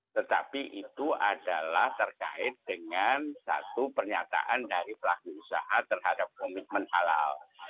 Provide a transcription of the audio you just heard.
tetapi itu adalah terkait dengan satu pernyataan dari pelaku usaha terhadap komitmen halal